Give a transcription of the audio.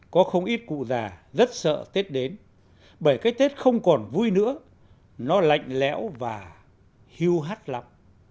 có không ít cụ già rất sợ tết đến bởi cái tết không còn vui nữa nó lạnh lẽo và hiêu hắt lắm